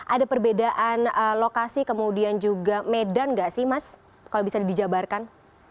ada perbedaan lokasi kemudian juga medan nggak sih mas kalau bisa dijabarkan